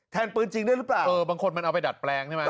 ปืนจริงได้หรือเปล่าเออบางคนมันเอาไปดัดแปลงใช่ไหม